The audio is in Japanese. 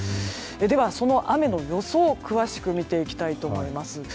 ではその雨の予想詳しく見ていきたいと思います。